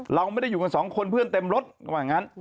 เราไม่ได้อยู่กันสองคนเพื่อนเต็มรถก็ว่างั้น